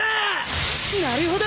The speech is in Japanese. なるほど！